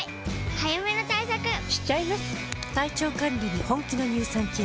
早めの対策しちゃいます。